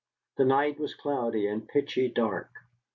The night was cloudy and pitchy dark.